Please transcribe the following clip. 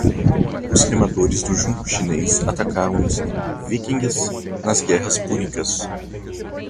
Os remadores do junco chinês atacaram os viquingues nas Guerras Púnicas